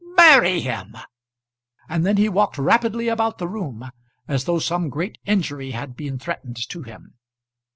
"Marry him!" And then he walked rapidly about the room, as though some great injury had been threatened to him.